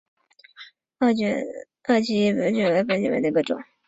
二歧卷柏为卷柏科卷柏属下的一个种。